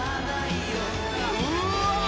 うわ！